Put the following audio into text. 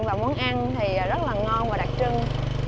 và món ăn thì rất là ngon và đặc trưng